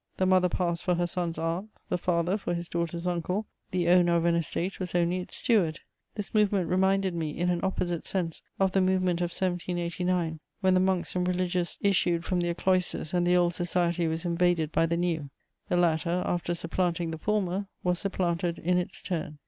The mother passed for her son's aunt, the father for his daughter's uncle; the owner of an estate was only its steward. This movement reminded me, in an opposite sense, of the movement of 1789, when the monks and religious issued from their cloisters and the old society was invaded by the new: the latter, after supplanting the former, was supplanted in its turn.